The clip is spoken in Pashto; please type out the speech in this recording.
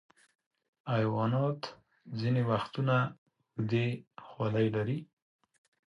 حیوانات ځینې وختونه اوږدې خولۍ لري.